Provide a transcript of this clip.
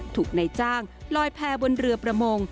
ถูกในจ้างลอยแพรบนเรือประมง